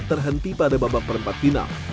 terhenti pada babak perempat final